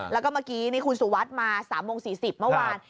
แล้วก็เมื่อกี้นี่คุณสุวัสดิ์มา๓โมง๔๐เมื่อวาน